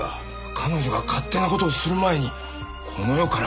彼女が勝手な事をする前にこの世から消えてくれたら！